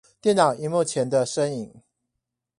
電腦螢幕前的身影